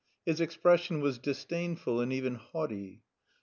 His expression was disdainful and even haughty.